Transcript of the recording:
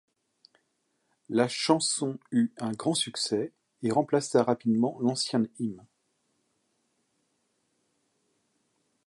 La chanson eu un grand succès et remplaça rapidement l’ancien hymne.